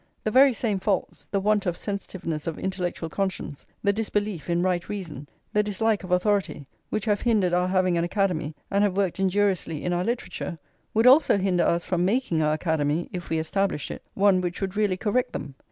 The very same faults, the want of sensitiveness of intellectual conscience, the disbelief in right reason, the dislike of authority, which have hindered our having an Academy and have worked injuriously in our literature, would also hinder us from making our Academy, if we established it, one which would really correct them.